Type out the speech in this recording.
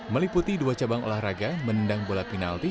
meliputi dua cabang olahraga menendang bola penalti